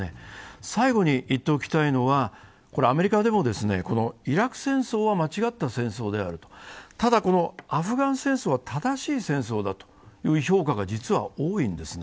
最後に言っておきたいのは、アメリカでもイラク戦争は間違った戦争である、ただ、このアフガン戦争は正しい戦争だという評価が実は多いんですね。